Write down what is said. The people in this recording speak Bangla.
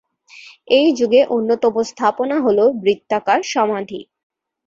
এই যুগের অন্যতম স্থাপনা হল বৃত্তাকার সমাধি।